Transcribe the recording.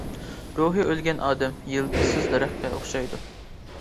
روھى ئۆلگەن ئادەم — يىلتىزسىز دەرەخكە ئوخشايدۇ.